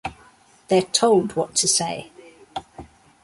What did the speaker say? They're told what to say.